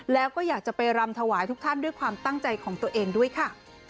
แล้วก็อยากจะไปรำถวายทุกท่านด้วยความตั้งใจของตัวเองด้วยค่ะ